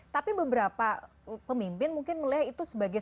tapi beberapa pemimpin mungkin melihat itu sebagai